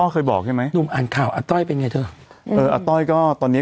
เขียนอะไรไว้เมื่อกี้